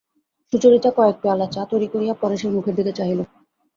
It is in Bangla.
সুচরিতা কয়েক পেয়ালা চা তৈরি করিয়া পরেশের মুখের দিকে চাহিল।